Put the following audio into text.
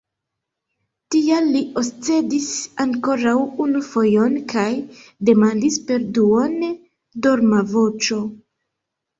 Tial li oscedis ankoraŭ unu fojon kaj demandis per duone dorma voĉo.